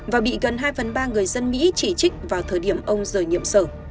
và bị gần hai phần ba người dân mỹ chỉ trích vào thời điểm ông rời nhiệm sở